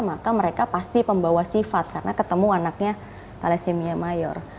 maka mereka pasti pembawa sifat karena ketemu anaknya thalassemia mayor